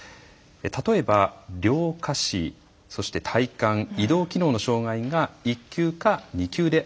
例えば両下肢・体幹移動機能の障害が１級か２級であること。